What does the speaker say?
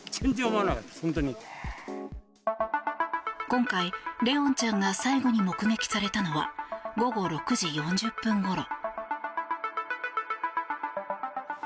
今回、怜音ちゃんが最後に目撃されたのは午後６時４０分ごろ。